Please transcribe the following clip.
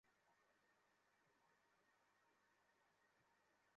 পরোয়ানা ছাড়া সেখানে ঢুকিনি কখনো।